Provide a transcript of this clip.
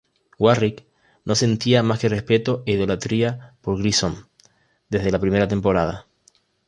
Warrick no sentía más que respeto e idolatría por Grissom, desde la primera temporada.